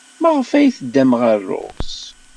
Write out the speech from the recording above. Maɣef ay teddam ɣer Rrus?